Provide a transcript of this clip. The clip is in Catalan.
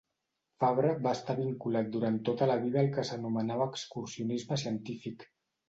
Fabra va estar vinculat durant tota la vida al que s'anomenava excursionisme científic.